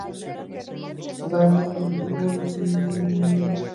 Bayern de Múnich